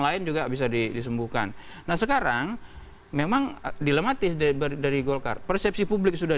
lain juga bisa disembuhkan nah sekarang memang dilematis dari golkar persepsi publik sudah